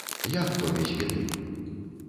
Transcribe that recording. Як то без віны?